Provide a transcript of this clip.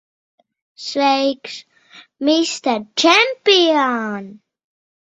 Sveiks, mister čempion!